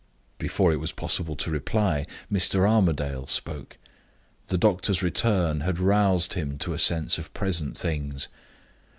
Before it was possible to reply, Mr. Armadale spoke. The doctor's return had roused him to a sense of present things.